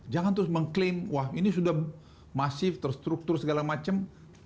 jangan terus mengklaim wah ini sudah masif terstruktur segala macam